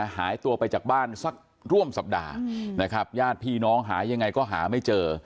หายตัวไปจากบ้านสักร่วมสัปดาห์นะครับญาติพี่น้องหายังไงก็หาไม่เจอ